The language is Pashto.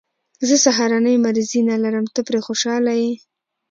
زه سهارنۍ مریضي نه لرم، ته پرې خوشحاله یې.